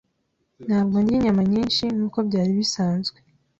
Ntabwo ndya inyama nyinshi nkuko byari bisanzwe